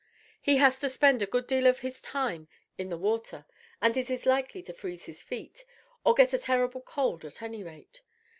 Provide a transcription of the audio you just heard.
He has to spend a good deal of his time in the water, and is likely to freeze his feet, or get a terrible cold, at any rate.